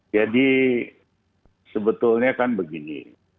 jadi sebetulnya kan begini